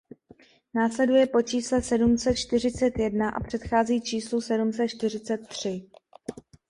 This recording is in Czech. Následuje po čísle sedm set čtyřicet jedna a předchází číslu sedm set čtyřicet tři.